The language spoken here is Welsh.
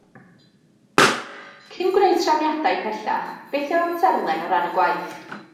Cyn gwneud trefniadau pellach, beth yw'r amserlen o ran y gwaith